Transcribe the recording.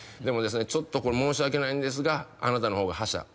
「でもですねちょっと申し訳ないんですがあなたの方が覇者。